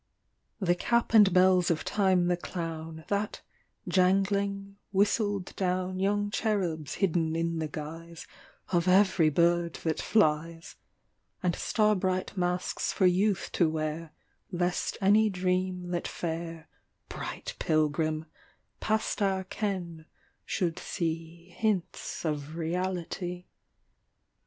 The cap and bells of Time the Clown That, jangling, whistled down Young cherubs hidden in the guise Of every bird that flies; And star bright masks for youth to wear Lest any dream that fare — Bright pilgrim — past our ken, should see Hints of Reality.